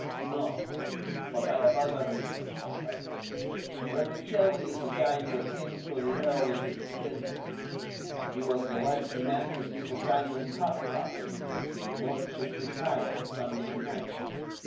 "No; but I have other reasons, all right. Vermicelli is the guy who attends to the Earl in his bedroom, and he was the last man to see the diamond cuff buttons as His Lordship retired Sunday night.